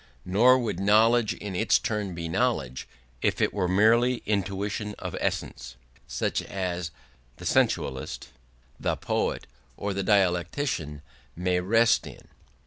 Nor would knowledge in its turn be knowledge if it were merely intuition of essence, such as the sensualist, the poet, or the dialectician may rest in.